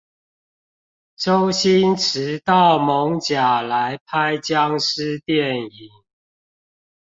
周星馳到艋舺來拍殭屍電影